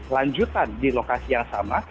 lanjutan di lokasi yang sama